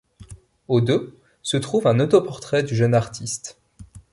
Au dos se trouve un autoportrait du jeune artiste.